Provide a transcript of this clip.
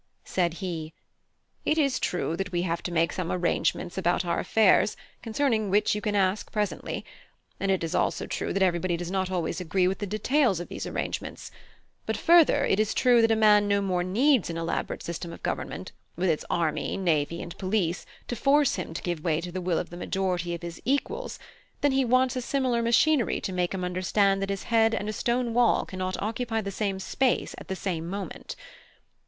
Said he: "It is true that we have to make some arrangements about our affairs, concerning which you can ask presently; and it is also true that everybody does not always agree with the details of these arrangements; but, further, it is true that a man no more needs an elaborate system of government, with its army, navy, and police, to force him to give way to the will of the majority of his equals, than he wants a similar machinery to make him understand that his head and a stone wall cannot occupy the same space at the same moment.